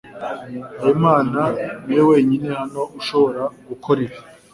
Habimana niwe wenyine hano ushobora gukora ibi.